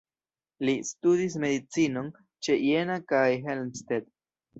Li studis medicinon ĉe Jena kaj Helmstedt.